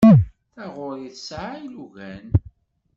Taɣuri tesɛa ilugan.